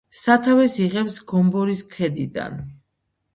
სათავეს იღებს გომბორის ქედიდან.